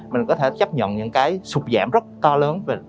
mình có thể chấp nhận những cái sụt giảm rất to lớn